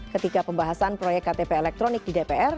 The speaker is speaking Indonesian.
ketika pembahasan proyek ktp elektronik di dpr